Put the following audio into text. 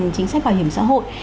chính sách bảo hiểm xã hội